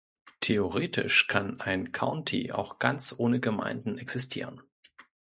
Theoretisch kann ein County auch ganz ohne Gemeinden existieren.